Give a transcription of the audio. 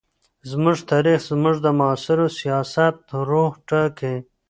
زموږ تاریخ زموږ د معاصر سیاست روح ټاکي.